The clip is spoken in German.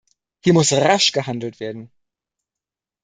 Hier muss rasch gehandelt werden.